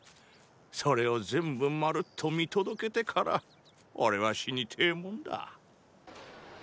それを全部まるっと見届けてから俺は死にてェもンだ。